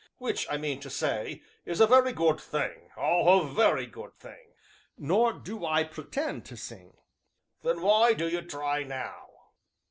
"Which, I mean to say, is a very good thing; ah! a very good thing!" "Nor do I pretend to sing " "Then why do 'ee try now?"